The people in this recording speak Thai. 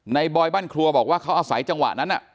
บอยบ้านครัวบอกว่าเขาอาศัยจังหวะนั้น